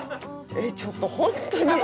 えっちょっとホントに。